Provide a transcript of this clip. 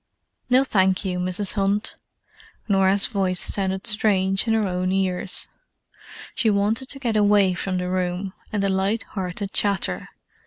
"No, thank you, Mrs. Hunt." Norah's voice sounded strange in her own ears. She wanted to get away from the room, and the light hearted chatter ...